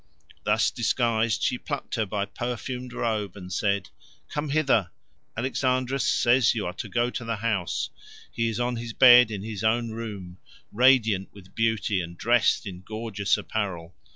Thus disguised she plucked her by perfumed robe and said, "Come hither; Alexandrus says you are to go to the house; he is on his bed in his own room, radiant with beauty and dressed in gorgeous apparel.